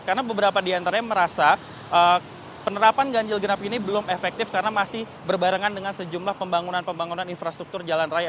karena beberapa di antaranya merasa penerapan ganjil kenap ini belum efektif karena masih berbarengan dengan sejumlah pembangunan pembangunan infrastruktur jalan raya